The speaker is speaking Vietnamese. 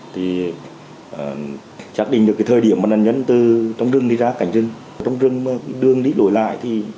thì chắc định được cái thời điểm mà nạn nhân từ trong rừng đi ra cảnh rừng trong rừng đường đi lùi lại